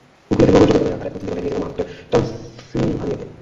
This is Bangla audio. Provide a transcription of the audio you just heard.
খুলে ফেলবো ভবিষ্যতের দরজা আর নতুন এক দিগন্তে নিয়ে যাবো মহান হোটেল ট্রান্সিল্ভানিয়াকে!